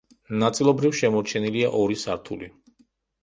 ნაწილობრივ შემორჩენილია ორი სართული.